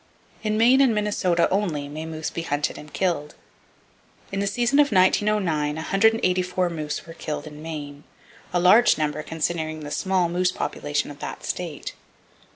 In Maine and Minnesota only may moose be hunted and killed. In the season of 1909, 184 moose were killed in Maine,—a large number, considering the small moose population of that state.